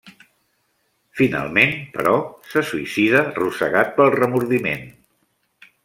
Finalment, però, se suïcida rosegat pel remordiment.